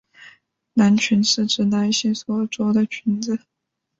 男裙是指男性所着的裙子。